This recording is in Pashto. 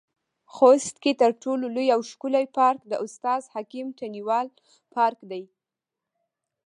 خوست کې تر ټولو لوى او ښکلى پارک د استاد حکيم تڼيوال پارک دى.